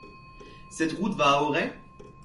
Cette route va à Auray ?